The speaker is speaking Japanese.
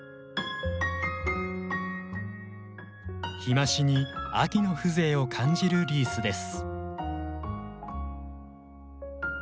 日増しに秋の風情を感じるリースです。